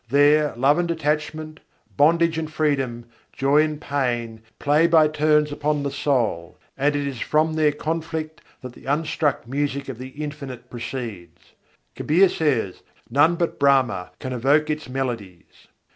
There love and detachment, bondage and freedom, joy and pain play by turns upon the soul; and it is from their conflict that the Unstruck Music of the Infinite proceeds. Kabîr says: "None but Brahma can evoke its melodies."